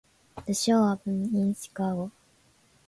The show opened in Chicago.